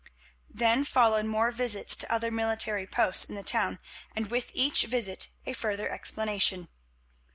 Then followed more visits to other military posts in the town, and with each visit a further explanation.